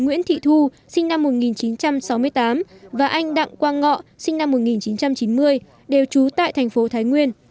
nguyễn thị thu sinh năm một nghìn chín trăm sáu mươi tám và anh đặng quang ngọ sinh năm một nghìn chín trăm chín mươi đều trú tại thành phố thái nguyên